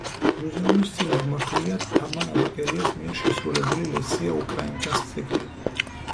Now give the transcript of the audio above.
მუზეუმის წინ აღმართულია თამარ აბაკელიას მიერ შესრულებული ლესია უკრაინკას ძეგლი.